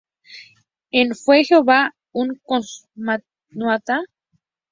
En "¿Fue Jehová un Cosmonauta?